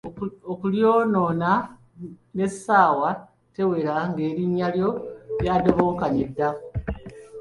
Okulyonoona n'essaawa tewera ng'erinnya lyo lyadobonkanye dda!